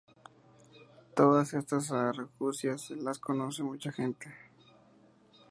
Todas estas argucias las conoce mucha gente.